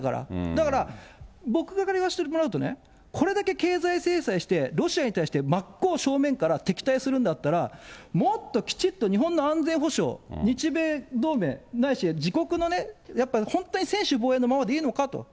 だから僕から言わしてもらうと、これだけ経済制裁してロシアに対して真っ向正面から敵対するんだったら、もっときちっと日本の安全保障、日米同盟、ないしは自国の、やっぱり専守防衛のままでいいのかと。